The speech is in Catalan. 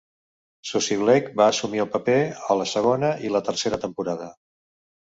Susie Blake va assumir el paper a la segona i la tercera temporada.